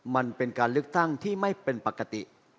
มันเป็นการเลือกตั้งที่ไม่เป็นปกติ